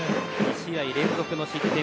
２試合連続の失点。